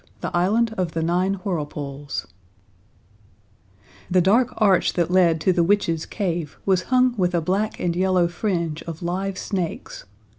The Island of the Nine Whirlpools The dark arch that led to the witch's cave was hung with a black and yellow fringe of live snakes.